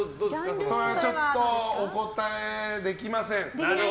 それはちょっとお答えできません。